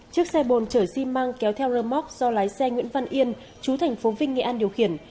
chiếc xe bồn chở xi măng kéo theo rơ móc do lái xe nguyễn văn yên chú thành phố vinh nghệ an điều khiển